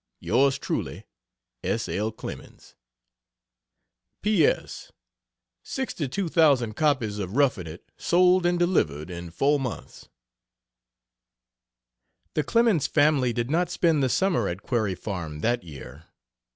Yrs truly, S. L. CLEMENS. P. S. 62,000 copies of "Roughing It" sold and delivered in 4 months. The Clemens family did not spend the summer at Quarry Farm that year.